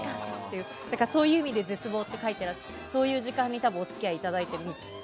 そういう意味で絶望って書いていらっしゃってそういう時間にお付き合いいただいているんです。